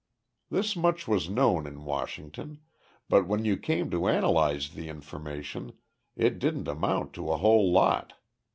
This much was known in Washington but, when you came to analyze the information, it didn't amount to a whole lot.